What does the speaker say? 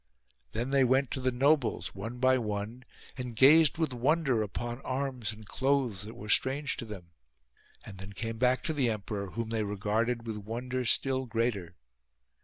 Then they went to the nobles, one by one, and gazed with wonder upon arms and clothes that were strange to them ; and then came back to the emperor, whom they regarded with wonder still greater.